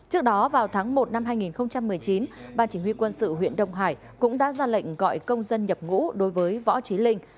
trước đó vào tháng một năm hai nghìn một mươi chín ban chỉ huy quân sự huyện đông hải cũng đã ra lệnh gọi công dân nhập ngũ đối với võ trí linh